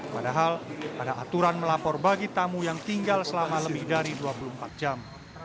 padahal ada aturan melapor bagi tamu yang tinggal selama lebih dari dua puluh empat jam